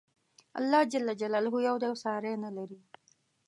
الله ج یو دی او ساری نه لري.